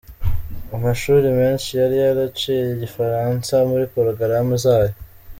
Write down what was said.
Amashuri menshi yari yaraciye Igifaransa muri porogaramu zayo.